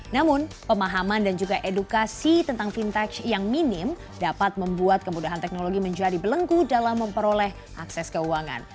namun pemahaman dan juga edukasi tentang vintage yang minim dapat membuat kemudahan teknologi menjadi belengku dalam memperoleh akses keuangan